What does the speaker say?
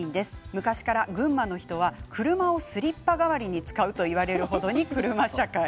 昔から群馬の人は、車をスリッパ代わりに使うといわれる程に車社会。